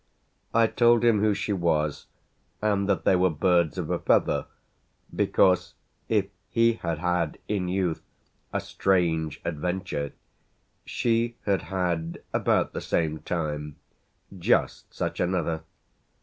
I told him who she was and that they were birds of a feather because if he had had in youth a strange adventure she had had about the same time just such another.